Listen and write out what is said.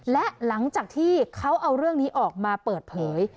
และหลังจากที่เขาเอาเรื่องนี้ออกมาเปิดเผย